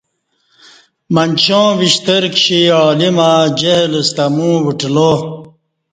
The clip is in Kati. منچا ں وشتر کشی عالمہ جہل ستہ امو وٹلا